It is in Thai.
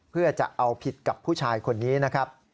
เพื่อจะเอาผิดกับผู้ชายคนนี้นะครับ